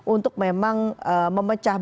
untuk memang memecahkan